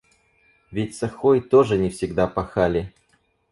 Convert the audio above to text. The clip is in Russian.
Ведь сохой тоже не всегда пахали.